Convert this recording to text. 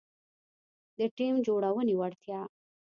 -د ټیم جوړونې وړتیا